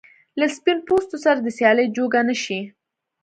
له سپین پوستو سره د سیالۍ جوګه نه شي.